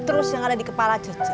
terus yang ada di kepala cuci